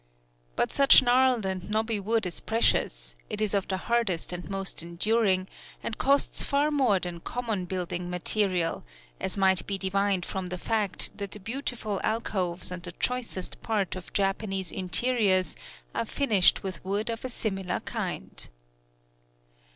But such gnarled and knobby wood is precious: it is of the hardest and most enduring, and costs far more than common building material, as might be divined from the fact that the beautiful alcoves and the choicest parts of Japanese interiors are finished with wood of a similar kind.